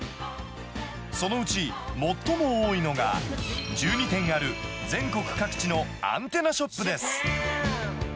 そのうち、最も多いのが、１２店ある全国各地のアンテナショップです。